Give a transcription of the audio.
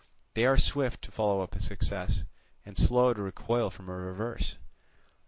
They are swift to follow up a success, and slow to recoil from a reverse.